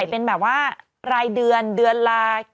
เป็นแบบว่ารายเดือนเดือนละ